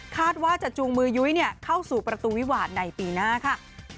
ว่าจะจูงมือยุ้ยเข้าสู่ประตูวิหวานในปีหน้าค่ะ